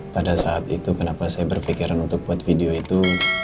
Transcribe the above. pada saat itu kenapa saya berpikiran untuk buat video itu